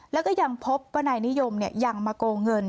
แล้วก็ยังพบว่านายนิยมยังมาโกงเงิน